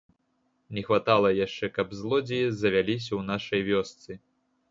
Не хватала яшчэ, каб злодзеі завяліся ў нашай вёсцы.